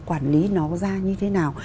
quản lý nó ra như thế nào